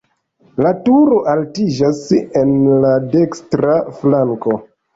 La turo altiĝas en la dekstra flanko.